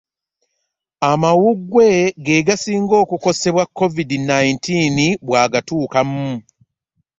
Amawuggwe he gasinga okukodebwa covid nineteen bw'agatuukamu.